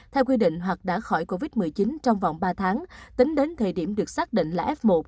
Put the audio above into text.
theo quy định hoặc đã khỏi covid một mươi chín trong vòng ba tháng tính đến thời điểm được xác định là f một